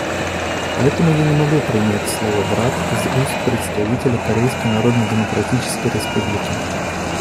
Поэтому я не могу принять слово «брат» из уст представителя Корейской Народно-Демократической Республики.